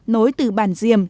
nối từ bản diềm